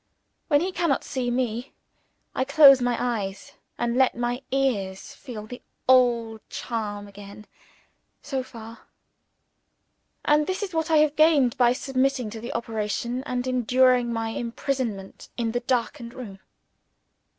When he cannot see me, I close my eyes, and let my ears feel the old charm again so far. And this is what I have gained, by submitting to the operation, and enduring my imprisonment in the darkened room!